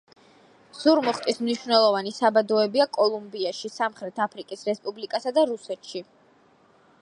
ზურმუხტის მნიშვნელოვანი საბადოებია კოლუმბიაში, სამხრეთ აფრიკის რესპუბლიკასა და რუსეთში.